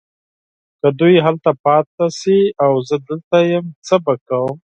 که دوی هلته پاته شي او زه دلته یم څه به کوم؟